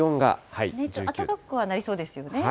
あったかくはなりそうですよ